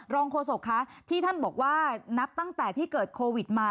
โฆษกคะที่ท่านบอกว่านับตั้งแต่ที่เกิดโควิดมา